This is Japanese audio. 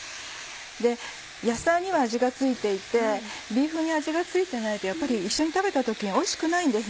野菜には味が付いていてビーフンに味が付いていないとやっぱり一緒に食べた時においしくないんです。